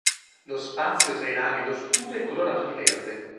Lo spazio tra i rami e lo scudo è colorato di verde.